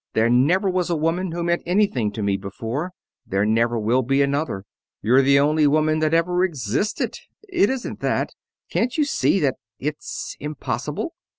There never was a woman who meant anything to me before, and there never will be another. You're the only woman that ever existed. It isn't that. Can't you see that it's impossible?"